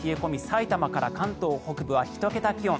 埼玉から関東北部は１桁気温。